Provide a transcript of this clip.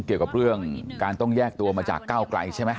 เกี่ยวกับเรื่องการต้องแยกตัวมาจากก้าวไกลใช่ไหม